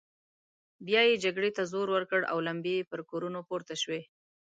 بيا يې جګړې ته زور ورکړ او لمبې يې پر کورونو پورته شوې.